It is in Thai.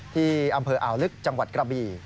ที่อำเภออ่าวลึกจังหวัดกระบี่